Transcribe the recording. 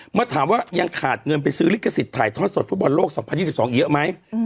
เมื่อถามว่ายังขาดเงินไปซื้อลิขสิทธิ์ถ่ายทอดสดฟุตบอลโลก๒๐๒๒อีกเยอะไหม